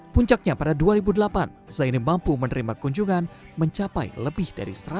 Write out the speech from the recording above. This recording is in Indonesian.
puncaknya pada dua ribu delapan zaini mampu menerima kunjungan mencapai lebih dari seratus orang